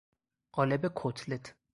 قالب کتلت